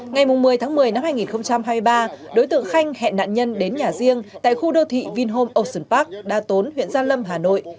ngày một mươi tháng một mươi năm hai nghìn hai mươi ba đối tượng khanh hẹn nạn nhân đến nhà riêng tại khu đô thị vinhome ocean park đa tốn huyện gia lâm hà nội